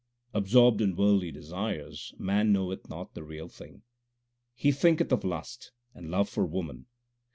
Absorbed in worldly desires man knoweth not the Real Thing ; He thinketh of lust and love for woman.